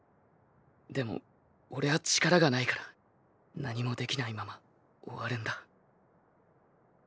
でもオレは力がないから何もできないまま終わるんだ。